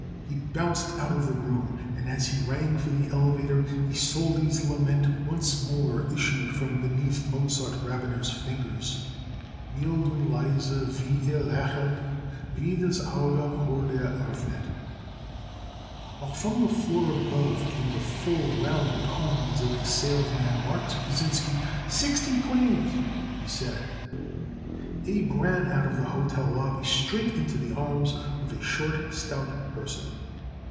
He bounced out of the room and, as he rang for the elevator, Isolde's lament once more issued from beneath. Mozart Rabiner's fingers: Mild und leise wie er lächelt Wie das Auge hold er öffnet While from the floor above came the full, round tones of the salesman, Marks Pasinsky. "Sixty queens," he said. Abe ran out of the hotel lobby straight into the arms of a short, stout person.